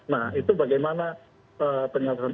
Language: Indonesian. nah itu bagaimana penyelesaian